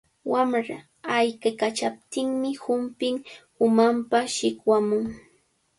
Wamra ayqiykachaptinmi humpin umanpa shikwamun.